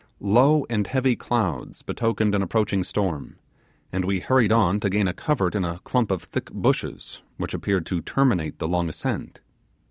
Low and heavy clouds betokened an approaching storm, and we hurried on to gain a covert in a clump of thick bushes, which appeared to terminate the long ascent.